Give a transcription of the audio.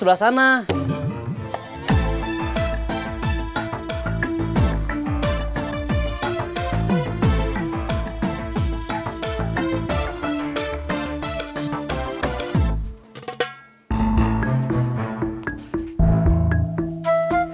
kecepatan mencapai dua ratus enam belas f